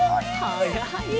はやいね！